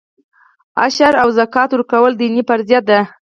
عشر او زکات ورکول دیني فریضه ده.